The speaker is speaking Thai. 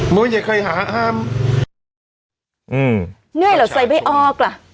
มันไม่ใช่ใครหาห้ามอืมเนื่อยเหรอใส่ไม่ออกล่ะ